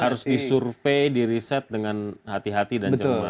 harus disurvey direset dengan hati hati dan cermat gitu ya